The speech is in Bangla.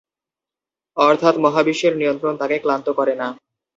অর্থাৎ মহাবিশ্বের নিয়ন্ত্রণ তাকে ক্লান্ত করে না।